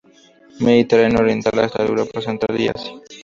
Mediterráneo oriental, hasta Europa central y Asia.